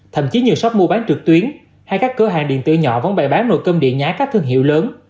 thậm chí nhiều shop mua bán trực tuyến hay các cửa hàng điện tử nhỏ vẫn bày bán nồi cơm điện nhái các thương hiệu lớn